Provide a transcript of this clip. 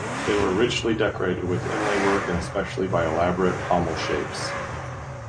They were richly decorated, with inlay work and especially by elaborate pommel shapes.